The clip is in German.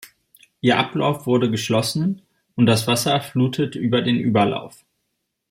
Ihr Ablauf wurde geschlossen und das Wasser flutet über den Überlauf.